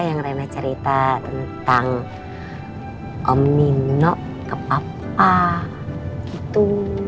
yang riana cerita tentang om nino ke bapak gitu